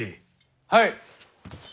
はい。